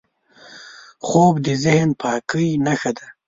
خوب د ذهن پاکۍ نښه ده